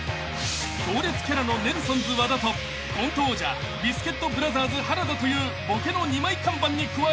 ［強烈キャラのネルソンズ和田とコント王者ビスケットブラザーズ原田というボケの二枚看板に加え］